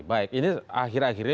baik ini akhir akhir ini